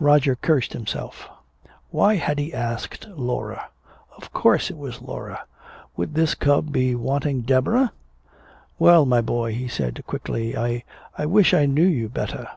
Roger cursed himself. Why had he asked, "Laura?" Of course it was Laura! Would this cub be wanting Deborah? "Well, my boy," he said thickly. "I I wish I knew you better."